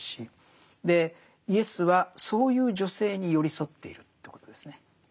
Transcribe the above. でイエスはそういう女性に寄り添っているということですね。